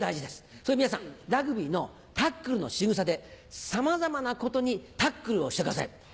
そこで皆さんラグビーのタックルのしぐさでさまざまなことにタックルをしてください。